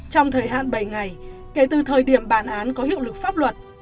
trong thời hạn bảy ngày kể từ thời điểm bản án có hiệu lực pháp luật